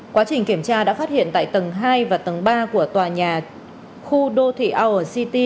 quá trình kiểm tra đã phát hiện tại tầng hai và tầng ba của tòa nhà khu đô thị our city